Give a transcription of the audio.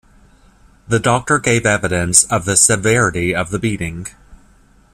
The doctor gave evidence of the severity of the beating.